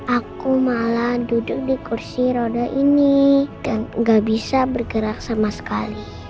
aku malah duduk di kursi roda ini dan gak bisa bergerak sama sekali